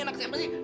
naksih apa sih